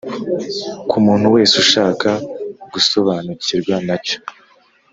ku muntu wese ushaka gusobanukirwa na cyo